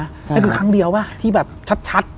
ไม่ใช่ครั้งเดียวเปล่าที่แบบชัด